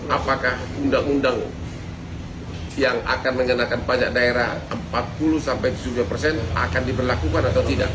apakah undang undang yang akan mengenakan pajak daerah empat puluh sampai tujuh puluh persen akan diberlakukan atau tidak